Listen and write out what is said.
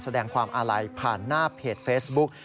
แสดงความอาลัยผ่านหน้าเพจเฟซบุ๊ก